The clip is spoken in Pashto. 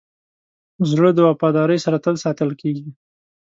زړه د وفادارۍ سره تل ساتل کېږي.